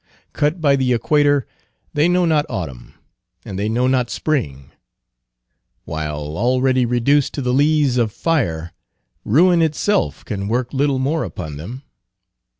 Cut by the Equator, they know not autumn, and they know not spring; while already reduced to the lees of fire, ruin itself can work little more upon them.